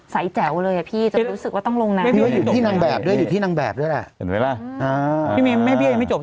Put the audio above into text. สวยเลยตราดสวยนะ